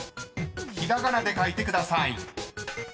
ひらがなで書いてください］